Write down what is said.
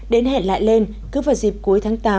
đến hẹn lại lên cứ vào dịp cuối tháng tám